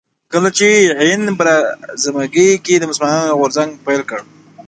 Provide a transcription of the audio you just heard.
کله چې هند براعظمګي کې مسلمانانو غورځنګ پيل کړ